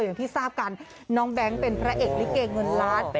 อย่างที่ทราบกันน้องแบงค์เป็นพระเอกลิเกเงินล้าน